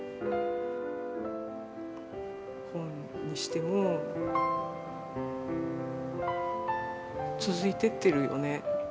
本にしても続いてってるよね。